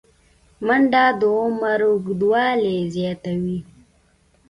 منډه د عمر اوږدوالی زیاتوي